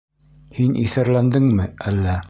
Һин иҫәрләндеңме әллә?